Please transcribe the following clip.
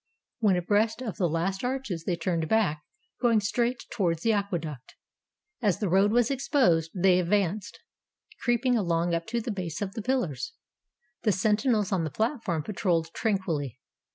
When abreast of the last arches they turned back, going straight towards the aqueduct. As the road was exposed, they advanced, creeping along up to the base of the pillars. The sentinels on the platform patrolled tranquilly.